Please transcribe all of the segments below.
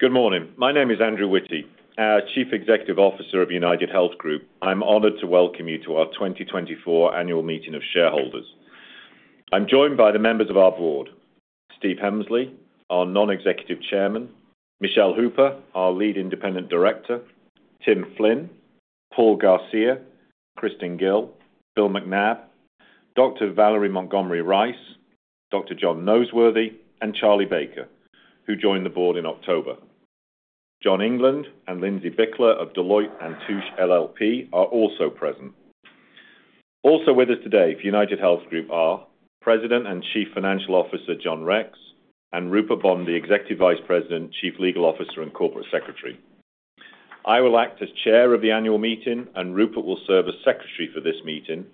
Good morning. My name is Andrew Witty, Chief Executive Officer of UnitedHealth Group. I'm honored to welcome you to our 2024 Annual Meeting of Shareholders. I'm joined by the members of our board, Steve Hemsley, our Non-Executive Chairman, Michele Hooper, our Lead Independent Director, Timothy Flynn, Paul Garcia, Kristen Gil, Bill McNabb, Dr. Valerie Montgomery Rice, Dr. John Noseworthy, and Charlie Baker, who joined the board in October. John England and Lindsey Bickler of Deloitte & Touche LLP are also present. Also with us today from UnitedHealth Group are President and Chief Financial Officer, John Rex, and Rupert Bondy, the Executive Vice President, Chief Legal Officer, and Corporate Secretary. I will act as chair of the annual meeting, and Rupert will serve as secretary for this meeting.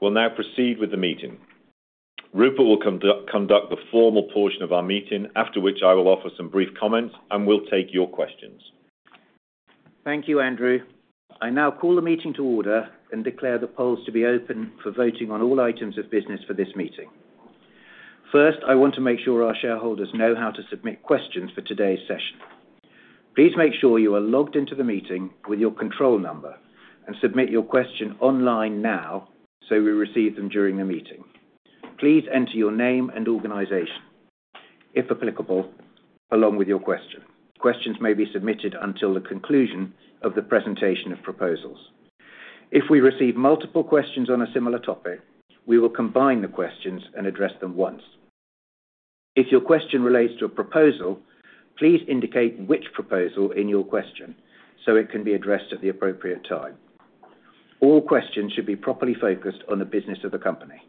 We'll now proceed with the meeting. Rupert will conduct the formal portion of our meeting, after which I will offer some brief comments, and we'll take your questions. Thank you, Andrew. I now call the meeting to order and declare the polls to be open for voting on all items of business for this meeting. First, I want to make sure our shareholders know how to submit questions for today's session. Please make sure you are logged into the meeting with your control number and submit your question online now, so we receive them during the meeting. Please enter your name and organization, if applicable, along with your question. Questions may be submitted until the conclusion of the presentation of proposals. If we receive multiple questions on a similar topic, we will combine the questions and address them once. If your question relates to a proposal, please indicate which proposal in your question, so it can be addressed at the appropriate time. All questions should be properly focused on the business of the company.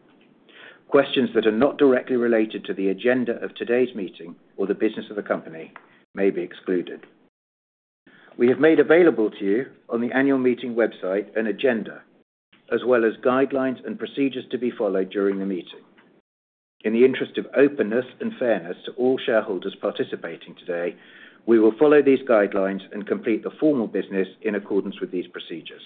Questions that are not directly related to the agenda of today's meeting or the business of the company may be excluded. We have made available to you on the annual meeting website an agenda, as well as guidelines and procedures to be followed during the meeting. In the interest of openness and fairness to all shareholders participating today, we will follow these guidelines and complete the formal business in accordance with these procedures.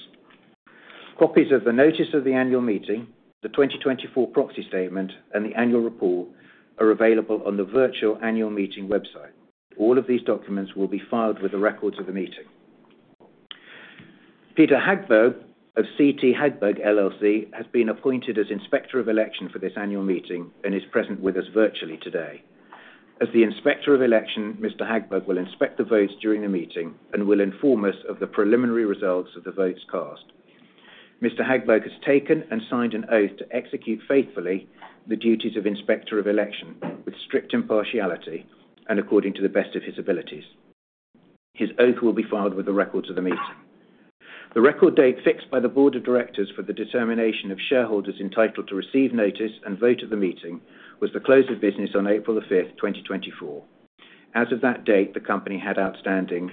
Copies of the notice of the annual meeting, the 2024 Proxy Statement, and the Annual Report are available on the virtual annual meeting website. All of these documents will be filed with the records of the meeting. Peter Hagberg of CT Hagberg LLC has been appointed as Inspector of Election for this annual meeting and is present with us virtually today. As the Inspector of Election, Mr. Hagberg will inspect the votes during the meeting and will inform us of the preliminary results of the votes cast. Mr. Hagberg has taken and signed an oath to execute faithfully the duties of Inspector of Election with strict impartiality and according to the best of his abilities. His oath will be filed with the records of the meeting. The record date fixed by the board of directors for the determination of shareholders entitled to receive notice and vote at the meeting was the close of business on April 5, 2024. As of that date, the company had outstanding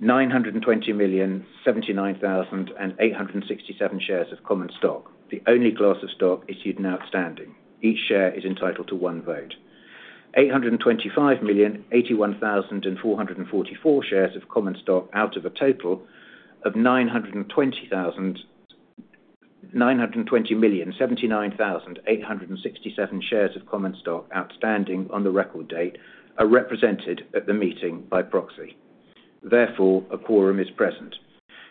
920,079,867 shares of common stock. The only class of stock issued now outstanding. Each share is entitled to one vote. 825,081,444 shares of common stock out of a total of 920 thousand... 920,079,867 shares of common stock outstanding on the record date are represented at the meeting by proxy. Therefore, a quorum is present.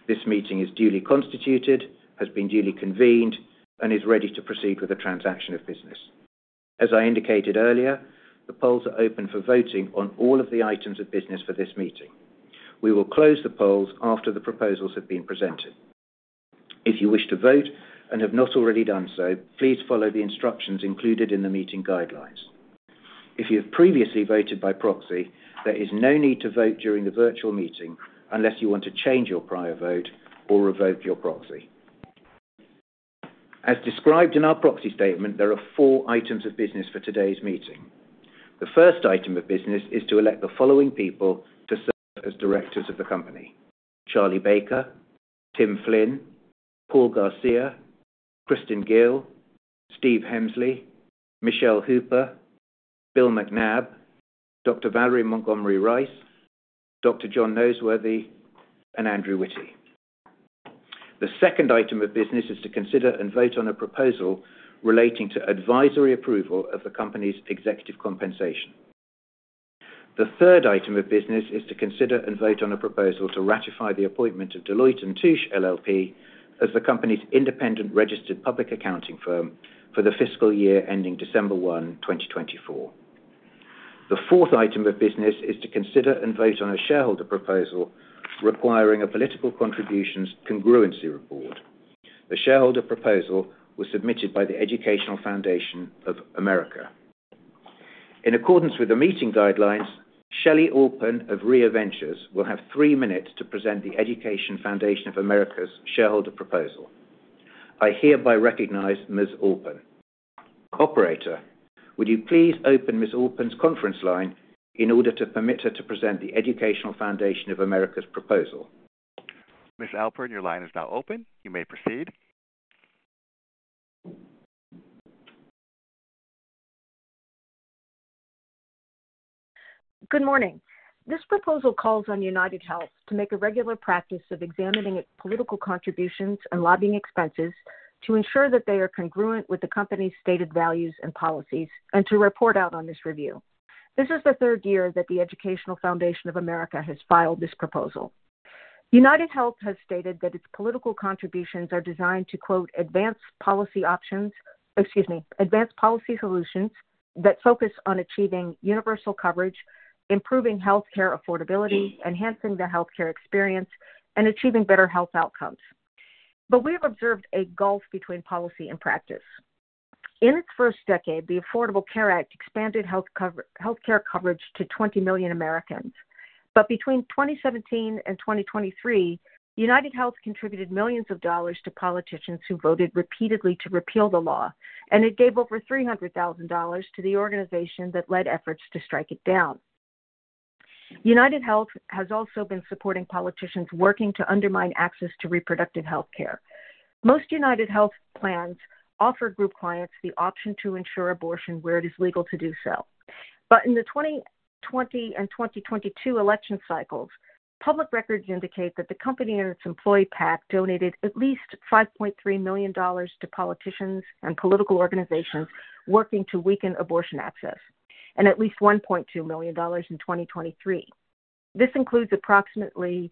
This meeting is duly constituted, has been duly convened, and is ready to proceed with the transaction of business. As I indicated earlier, the polls are open for voting on all of the items of business for this meeting. We will close the polls after the proposals have been presented. If you wish to vote and have not already done so, please follow the instructions included in the meeting guidelines. If you have previously voted by proxy, there is no need to vote during the virtual meeting unless you want to change your prior vote or revoke your proxy. As described in our proxy statement, there are four items of business for today's meeting. The first item of business is to elect the following people to serve as directors of the company: Charles Baker, Timothy Flynn, Paul Garcia, Kristen Gil, Stephen Hemsley, Michele Hooper, Bill McNabb, Dr. Valerie Montgomery Rice, Dr. John Noseworthy, and Andrew Witty. The second item of business is to consider and vote on a proposal relating to advisory approval of the company's executive compensation. The third item of business is to consider and vote on a proposal to ratify the appointment of Deloitte & Touche LLP, as the company's independent registered public accounting firm for the fiscal year ending December 1, 2024. The fourth item of business is to consider and vote on a shareholder proposal requiring a political contributions congruency report. The shareholder proposal was submitted by the Educational Foundation of America. In accordance with the meeting guidelines, Shelley Alpern of Rhia Ventures will have three minutes to present the Educational Foundation of America's shareholder proposal. I hereby recognize Ms. Alpern. Operator, would you please open Ms. Alpern's conference line in order to permit her to present the Educational Foundation of America's proposal? Ms. Alpern, your line is now open. You may proceed. Good morning. This proposal calls on UnitedHealth to make a regular practice of examining its political contributions and lobbying expenses to ensure that they are congruent with the company's stated values and policies, and to report out on this review. This is the third year that the Educational Foundation of America has filed this proposal. UnitedHealth has stated that its political contributions are designed to, quote, "Advance policy options," excuse me, "advance policy solutions that focus on achieving universal coverage, improving healthcare affordability, enhancing the healthcare experience, and achieving better health outcomes." But we have observed a gulf between policy and practice. In its first decade, the Affordable Care Act expanded healthcare coverage to 20 million Americans. But between 2017 and 2023, UnitedHealth contributed millions of dollars to politicians who voted repeatedly to repeal the law, and it gave over $300,000 to the organization that led efforts to strike it down. UnitedHealth has also been supporting politicians working to undermine access to reproductive health care. Most UnitedHealth plans offer group clients the option to insure abortion where it is legal to do so. But in the 2020 and 2022 election cycles, public records indicate that the company and its employee PAC donated at least $5.3 million to politicians and political organizations working to weaken abortion access, and at least $1.2 million in 2023. This includes approximately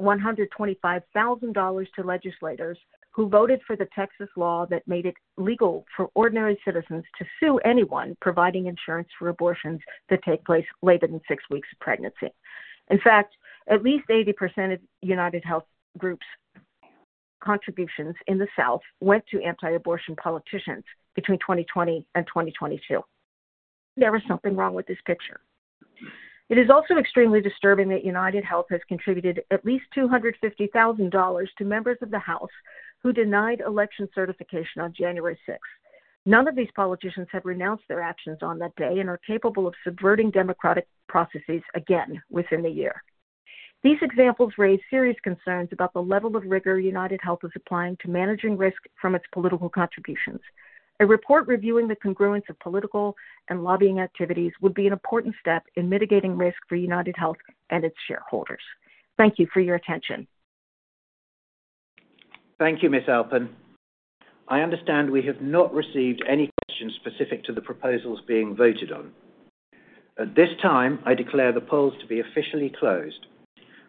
$125,000 to legislators who voted for the Texas law that made it legal for ordinary citizens to sue anyone providing insurance for abortions that take place later than six weeks of pregnancy. In fact, at least 80% of UnitedHealth Group's contributions in the South went to anti-abortion politicians between 2020 and 2022. There is something wrong with this picture. It is also extremely disturbing that UnitedHealth has contributed at least $250,000 to members of the House who denied election certification on January 6. None of these politicians have renounced their actions on that day and are capable of subverting democratic processes again within a year. These examples raise serious concerns about the level of rigor UnitedHealth is applying to managing risk from its political contributions. A report reviewing the congruence of political and lobbying activities would be an important step in mitigating risk for UnitedHealth Group and its shareholders. Thank you for your attention. Thank you, Ms. Alpern. I understand we have not received any questions specific to the proposals being voted on. At this time, I declare the polls to be officially closed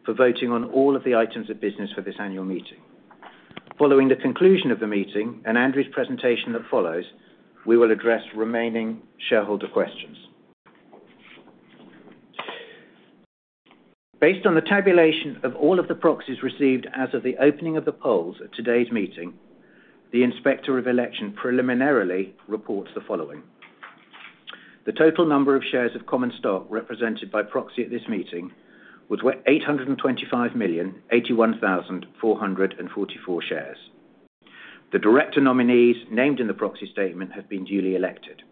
for voting on all of the items of business for this annual meeting. Following the conclusion of the meeting and Andrew's presentation that follows, we will address remaining shareholder questions. Based on the tabulation of all of the proxies received as of the opening of the polls at today's meeting, the Inspector of Election preliminarily reports the following: The total number of shares of common stock represented by proxy at this meeting was 825,081,444 shares. The director nominees named in the proxy statement have been duly elected.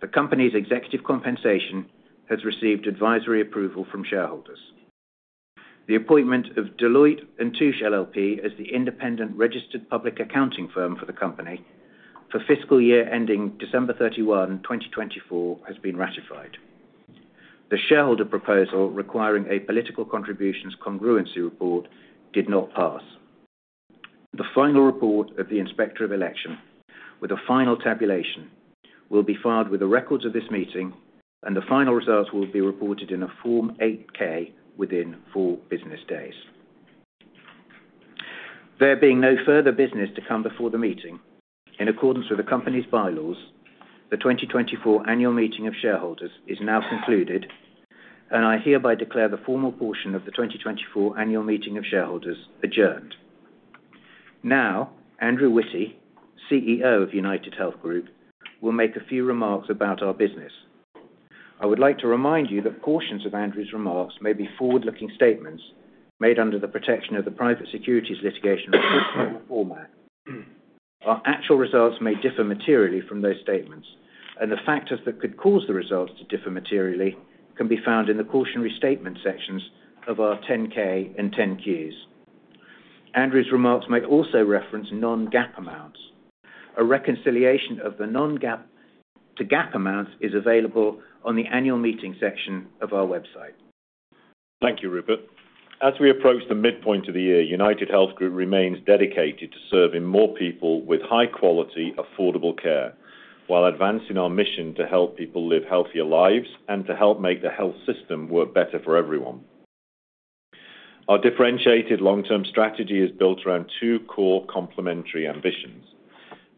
The company's executive compensation has received advisory approval from shareholders. The appointment of Deloitte & Touche LLP as the independent registered public accounting firm for the company for fiscal year ending December 31, 2024, has been ratified. The shareholder proposal requiring a political contributions congruency report did not pass. The final report of the Inspector of Election, with a final tabulation, will be filed with the records of this meeting, and the final results will be reported in a Form 8-K within 4 business days. There being no further business to come before the meeting, in accordance with the company's bylaws, the 2024 Annual Meeting of Shareholders is now concluded, and I hereby declare the formal portion of the 2024 Annual Meeting of Shareholders adjourned. Now, Andrew Witty, CEO of UnitedHealth Group, will make a few remarks about our business. I would like to remind you that portions of Andrew's remarks may be forward-looking statements made under the protection of the Private Securities Litigation Reform Act. Our actual results may differ materially from those statements, and the factors that could cause the results to differ materially can be found in the cautionary statement sections of our 10-K and 10-Qs. Andrew's remarks may also reference non-GAAP amounts. A reconciliation of the non-GAAP to GAAP amounts is available on the Annual Meeting section of our website. Thank you, Rupert. As we approach the midpoint of the year, UnitedHealth Group remains dedicated to serving more people with high-quality, affordable care, while advancing our mission to help people live healthier lives and to help make the health system work better for everyone. Our differentiated long-term strategy is built around two core complementary ambitions: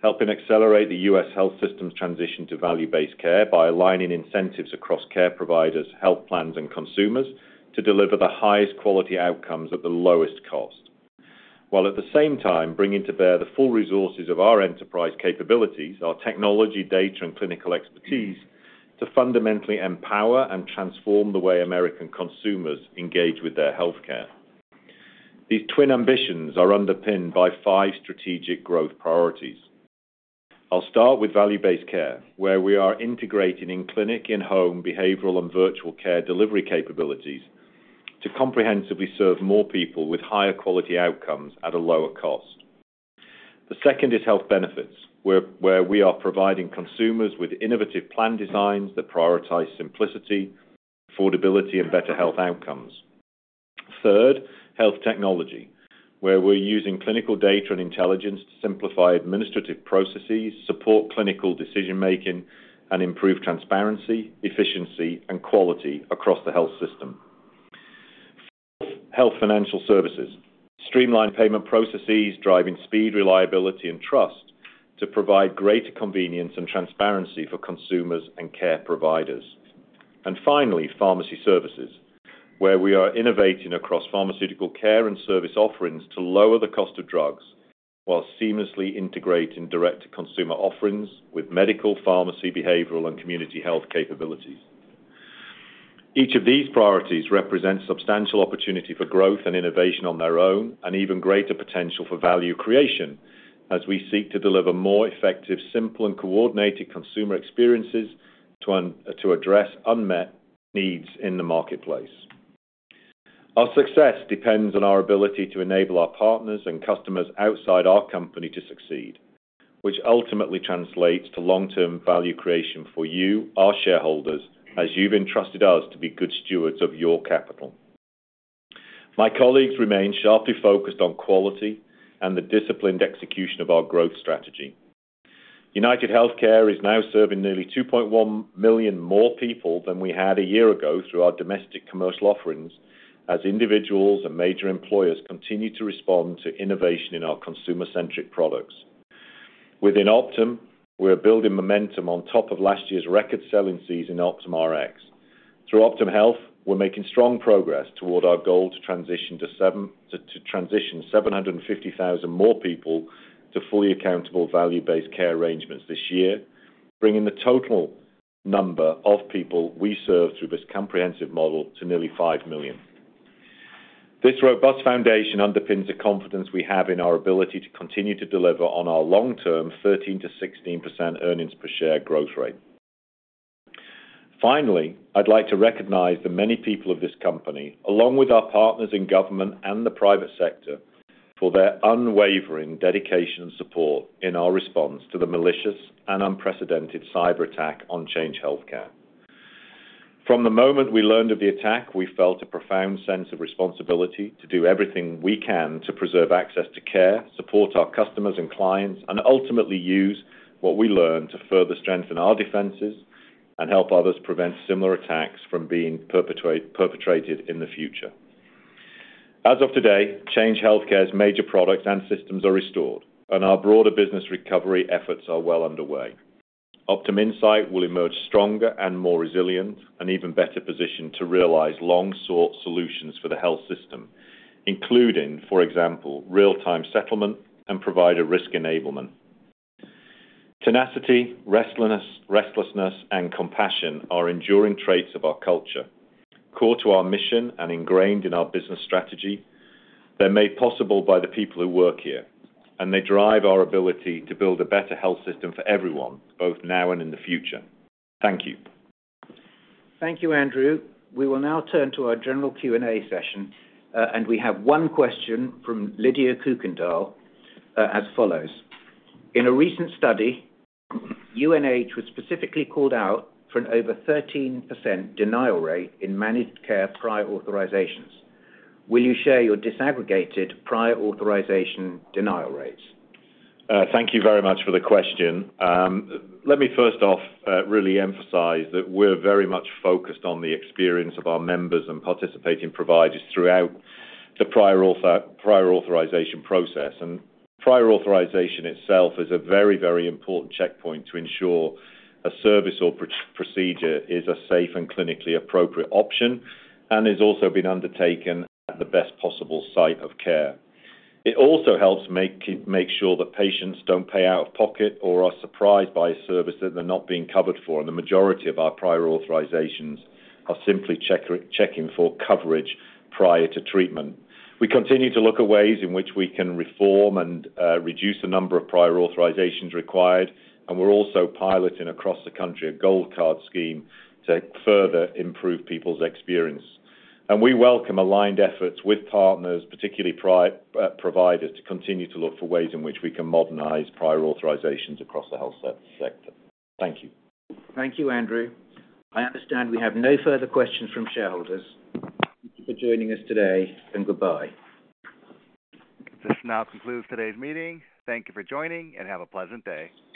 helping accelerate the U.S. health system's transition to value-based care by aligning incentives across care providers, health plans, and consumers to deliver the highest quality outcomes at the lowest cost, while at the same time, bringing to bear the full resources of our enterprise capabilities, our technology, data, and clinical expertise, to fundamentally empower and transform the way American consumers engage with their healthcare. These twin ambitions are underpinned by five strategic growth priorities. I'll start with value-based care, where we are integrating in-clinic, in-home, behavioral, and virtual care delivery capabilities to comprehensively serve more people with higher quality outcomes at a lower cost. The second is health benefits, where we are providing consumers with innovative plan designs that prioritize simplicity, affordability, and better health outcomes. Third, health technology, where we're using clinical data and intelligence to simplify administrative processes, support clinical decision making, and improve transparency, efficiency, and quality across the health system. Fourth, health financial services. Streamline payment processes, driving speed, reliability, and trust to provide greater convenience and transparency for consumers and care providers. And finally, pharmacy services, where we are innovating across pharmaceutical care and service offerings to lower the cost of drugs, while seamlessly integrating direct-to-consumer offerings with medical, pharmacy, behavioral, and community health capabilities. Each of these priorities represents substantial opportunity for growth and innovation on their own, and even greater potential for value creation as we seek to deliver more effective, simple, and coordinated consumer experiences to address unmet needs in the marketplace. Our success depends on our ability to enable our partners and customers outside our company to succeed, which ultimately translates to long-term value creation for you, our shareholders, as you've entrusted us to be good stewards of your capital. My colleagues remain sharply focused on quality and the disciplined execution of our growth strategy. UnitedHealthcare is now serving nearly 2.1 million more people than we had a year ago through our domestic commercial offerings, as individuals and major employers continue to respond to innovation in our consumer-centric products. Within Optum, we are building momentum on top of last year's record selling season in Optum Rx. Through Optum Health, we're making strong progress toward our goal to transition seven hundred and fifty thousand more people to fully accountable value-based care arrangements this year, bringing the total number of people we serve through this comprehensive model to nearly 5 million. This robust foundation underpins the confidence we have in our ability to continue to deliver on our long-term 13%-16% earnings per share growth rate. Finally, I'd like to recognize the many people of this company, along with our partners in government and the private sector, for their unwavering dedication and support in our response to the malicious and unprecedented cyberattack on Change Healthcare. From the moment we learned of the attack, we felt a profound sense of responsibility to do everything we can to preserve access to care, support our customers and clients, and ultimately use what we learned to further strengthen our defenses and help others prevent similar attacks from being perpetrated in the future. As of today, Change Healthcare's major products and systems are restored, and our broader business recovery efforts are well underway. Optum Insight will emerge stronger and more resilient, and even better positioned to realize long-sought solutions for the health system, including, for example, real-time settlement and provider risk enablement. Tenacity, restlessness, and compassion are enduring traits of our culture. Core to our mission and ingrained in our business strategy, they're made possible by the people who work here, and they drive our ability to build a better health system for everyone, both now and in the future. Thank you. Thank you, Andrew. We will now turn to our general Q&A session, and we have one question from Lydia Kuykendall, as follows: In a recent study, UNH was specifically called out for an over 13% denial rate in managed care prior authorizations. Will you share your disaggregated prior authorization denial rates? Thank you very much for the question. Let me first off, really emphasize that we're very much focused on the experience of our members and participating providers throughout the prior authorization process. Prior authorization itself is a very, very important checkpoint to ensure a service or procedure is a safe and clinically appropriate option, and is also being undertaken at the best possible site of care. It also helps make sure that patients don't pay out of pocket or are surprised by a service that they're not being covered for, and the majority of our prior authorizations are simply checking for coverage prior to treatment. We continue to look at ways in which we can reform and, reduce the number of prior authorizations required, and we're also piloting across the country a Gold Card program to further improve people's experience. We welcome aligned efforts with partners, particularly providers, to continue to look for ways in which we can modernize prior authorizations across the health service sector. Thank you. Thank you, Andrew. I understand we have no further questions from shareholders. Thank you for joining us today, and goodbye. This now concludes today's meeting. Thank you for joining, and have a pleasant day.